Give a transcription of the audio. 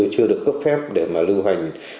chưa được cấp phép để mà lưu hành